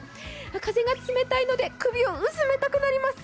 風が冷たいので首をうずめたくなります。